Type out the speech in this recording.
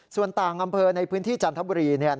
ส่วนต่างอำเภอในพื้นที่จันทบุรี